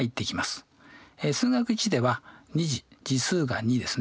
「数学Ⅰ」では２次次数が２ですね。